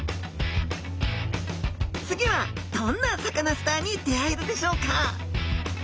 次はどんなサカナスターに出会えるでしょうか。